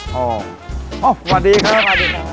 สวัสดีครับสวัสดีครับ